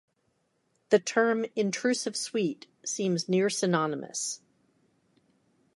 The term intrusive suite seems near synonymous.